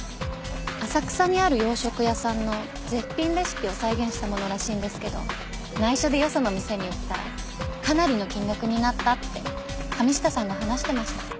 浅草にある洋食屋さんの絶品レシピを再現したものらしいんですけど内緒でよその店に売ったらかなりの金額になったって神下さんが話してました。